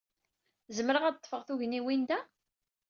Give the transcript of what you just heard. Zemreɣ ad d-ḍḍfeɣ tugniwin da?